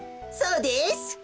そうです。